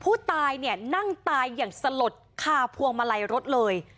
ผู้ตายเนี่ยนั่งตายอย่างสลดคาพวงมาลัยรถเลย